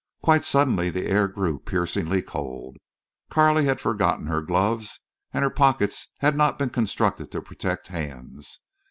Quite suddenly the air grew piercingly cold. Carley had forgotten her gloves, and her pockets had not been constructed to protect hands.